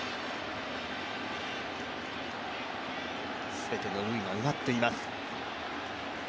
全ての塁は埋まっています。